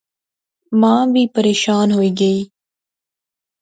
ما وی پریشان ہوئی گئی